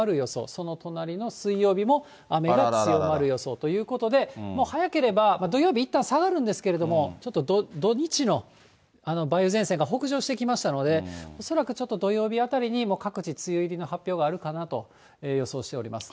その隣の水曜日も、雨が強まる予想ということで、もう早ければ、土曜日、いったん下がるんですけど、ちょっと土日の梅雨前線が北上してきましたので、恐らくちょっと土曜日あたりに、各地、梅雨入りの発表、あるかなと予想しております。